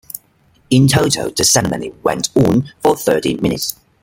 In total, the ceremony went on for thirty minutes.